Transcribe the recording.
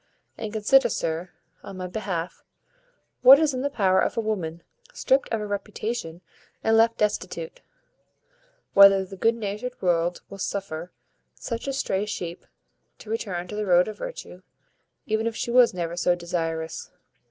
And consider, sir, on my behalf, what is in the power of a woman stript of her reputation and left destitute; whether the good natured world will suffer such a stray sheep to return to the road of virtue, even if she was never so desirous.